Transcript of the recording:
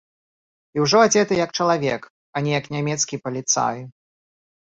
І ўжо адзеты як чалавек, а не як нямецкі паліцай.